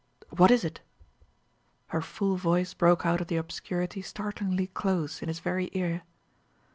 "What is it?" Her full voice broke out of the obscurity startlingly close, in his very ear.